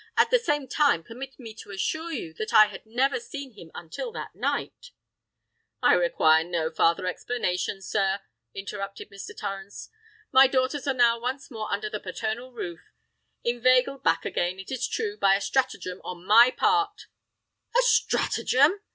At the same time, permit me to assure you that I had never seen him until that night——" "I require no farther explanation, sir," interrupted Mr. Torrens. "My daughters are now once more under the paternal roof—inveigled back again, it is true, by a stratagem on my part——" "A stratagem!"